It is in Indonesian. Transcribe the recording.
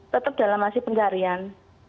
tetap dalam masih pencarian